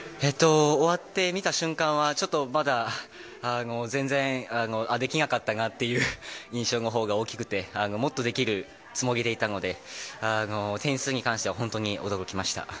終わった瞬間はちょっとまだ全然できなかったなという印象のほうが大きくてもっとできるつもりでいたので点数に関しては本当に驚きました。